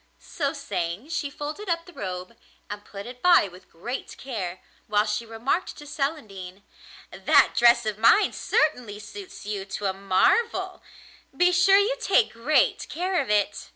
So saying, she folded up the robe, and put it by with great care, while she remarked to Celandine: 'That dress of mine certainly suits you to a marvel; be sure you take great care of it.